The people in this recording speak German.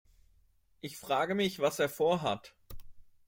Ich frage mich, was er vorhat.